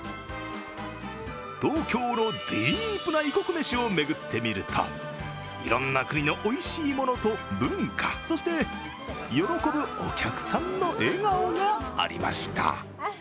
東京のディープな異国めしを巡ってみると、いろんな国のおいしいものと文化、そして、喜ぶお客さんの笑顔がありました。